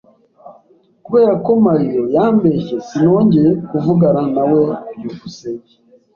Kubera ko Mario yambeshye, sinongeye kuvugana nawe. byukusenge